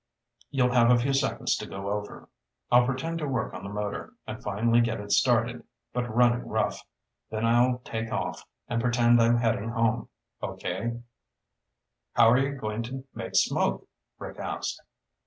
You'll have a few seconds to go over. I'll pretend to work on the motor, and finally get it started, but running rough. Then I'll take off and pretend I'm heading home. Okay?" "How are you going to make smoke?" Rick asked.